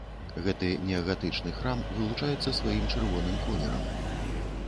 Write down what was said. Гэты неагатычны храм вылучаецца сваім чырвоным колерам.